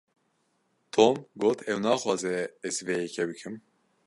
Tom got ew naxwaze ez vê yekê bikim.